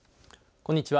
こんにちは。